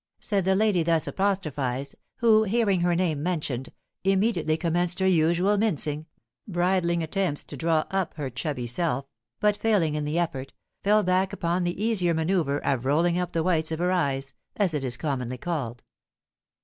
said the lady thus apostrophised, who, hearing her name mentioned, immediately commenced her usual mincing, bridling attempts to draw up her chubby self, but, failing in the effort, fell back upon the easier manoeuvre of "rolling up the whites of her eyes," as it is commonly called.